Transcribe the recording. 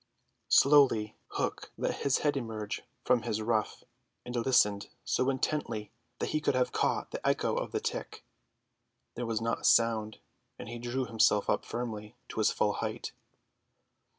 Slowly Hook let his head emerge from his ruff, and listened so intently that he could have caught the echo of the tick. There was not a sound, and he drew himself up firmly to his full height.